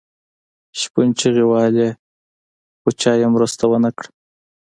شپون چیغې وهلې خو چا یې مرسته ونه کړه.